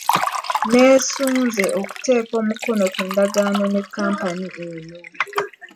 Nneesunze okuteeka omukono ku ndagaano ne kkampani eno.